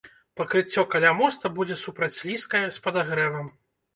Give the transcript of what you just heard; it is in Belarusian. Пакрыццё каля моста будзе супрацьслізкае, з падагрэвам.